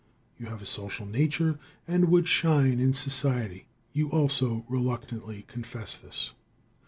You have a social nature, and would shine in society. You also reluctantly confess this.